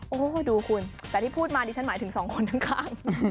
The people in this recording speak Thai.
โอ้โหดูคุณแต่ที่พูดมาดิฉันหมายถึงสองคนข้าง